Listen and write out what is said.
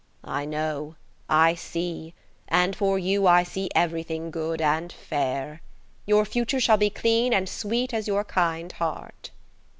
I know–I see–and for you I see everything good and fair. Your future shall be clean and sweet as your kind heart."